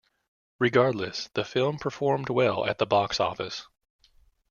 Regardless, the film performed well at the box office.